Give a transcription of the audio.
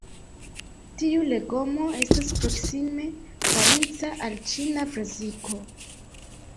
Tiu legomo estas proksime parenca al ĉina brasiko.